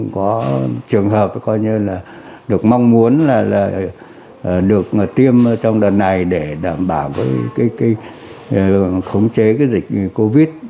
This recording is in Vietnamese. có trường hợp được mong muốn là được tiêm trong đợt này để đảm bảo với khống chế dịch covid một mươi chín